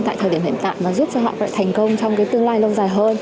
tại thời điểm hiện tại mà giúp cho họ thành công trong tương lai lâu dài hơn